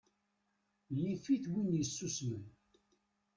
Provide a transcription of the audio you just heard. Yif-it win yessusmen.